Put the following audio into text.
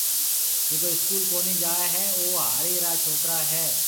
جڪو اسڪول ڪونِي جائي هيَ او هاڙِي را ڇوڪرا هيَ۔